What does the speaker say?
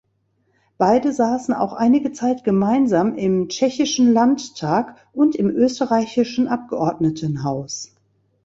Beide saßen auch einige Zeit gemeinsam im tschechischen Landtag und im österreichischen Abgeordnetenhaus.